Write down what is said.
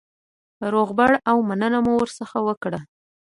روغبړ او مننه مو ورڅخه وکړه.